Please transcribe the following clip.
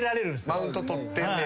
マウントとってんねや。